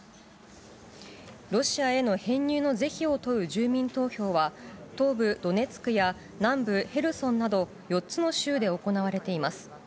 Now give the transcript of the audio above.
ロシアへの編入の是非を問う住民投票は、東部ドネツクや南部ヘルソンなど、４つの州で行われています。